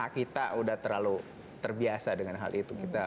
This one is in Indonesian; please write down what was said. kita udah terlalu terbiasa dengan hal itu